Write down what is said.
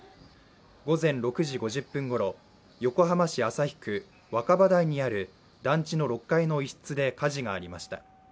午前６時５０分ごろ、横浜市旭区若葉台にある団地の６階の一室で火事がありました。